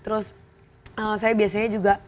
terus saya biasanya juga